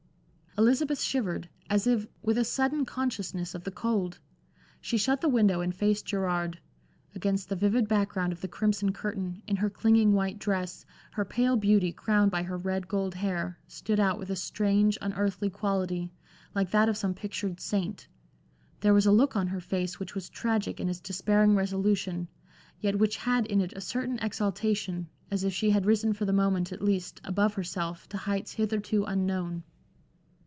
Elizabeth shivered, as if with a sudden consciousness of the cold. She shut the window and faced Gerard. Against the vivid background of the crimson curtain, in her clinging white dress, her pale beauty, crowned by her red gold hair, stood out with a strange, unearthly quality, like that of some pictured saint. There was a look on her face which was tragic in its despairing resolution, yet which had in it a certain exaltation, as if she had risen for the moment at least, above herself, to heights hitherto unknown.